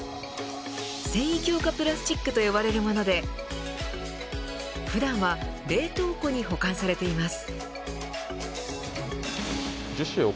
繊維強化プラスチックと呼ばれるもので普段は冷凍庫に保管されています。